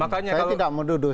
saya tidak menuduh